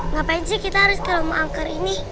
ngapain sih kita harus ke rumah angker ini